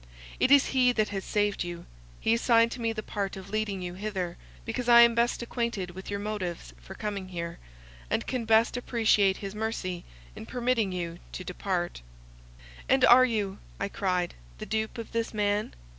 It is he that has saved you; he assigned to me the part of leading you hither, because I am best acquainted with your motives for coming here, and can best appreciate his mercy in permitting you to depart." "And are you," I cried, "the dupe of this man?